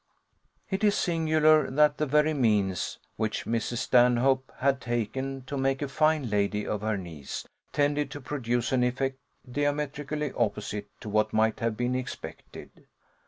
It is singular, that the very means which Mrs. Stanhope had taken to make a fine lady of her niece tended to produce an effect diametrically opposite to what might have been expected.